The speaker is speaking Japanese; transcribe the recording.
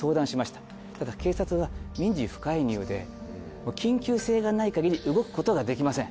ただ警察は民事不介入で緊急性がないかぎり動くことができません。